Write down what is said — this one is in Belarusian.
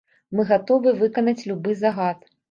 Мы гатовыя выканаць любы загад.